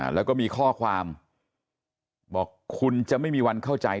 แล้วก็มีข้อความบอกคุณจะไม่มีวันเข้าใจ